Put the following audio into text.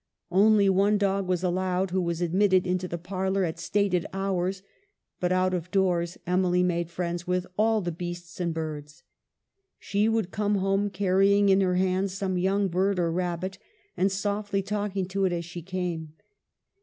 Only one dog was allowed, who was admitted into the parlor at stated hours, but out of doors Emily made friends with all the beasts and birds. She would come home carrying in her hands some young bird or rabbit, and softly talking to it as she came.